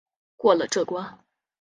过了这关